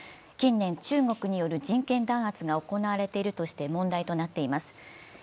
近年、中国による人権弾圧が行われているとして問題になっています。